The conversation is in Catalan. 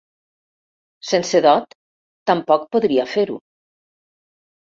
Sense dot, tampoc podria fer-ho.